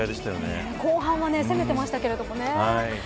後半は攻めてましたけどね。